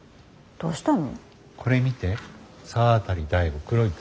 どうしたの？